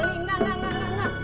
enggak enggak enggak